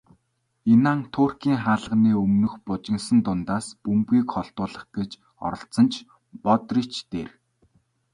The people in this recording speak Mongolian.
Инан Туркийн хаалганы өмнөх бужигнаан дундаас бөмбөгийг холдуулах гэж оролдсон ч Модрич дээр авааччихав.